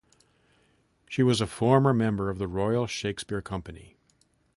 She was a former member of the Royal Shakespeare Company.